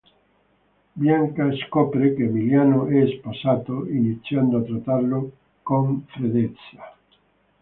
Bianca scopre che Emiliano è sposato, iniziando a trattarlo con freddezza.